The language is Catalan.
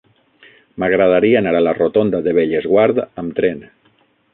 M'agradaria anar a la rotonda de Bellesguard amb tren.